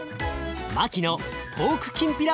マキのポークきんぴら